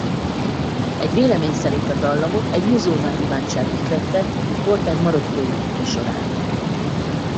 Egy vélemény szerint a dallamot egy muzulmán imádság ihlette Porter marokkói útja során.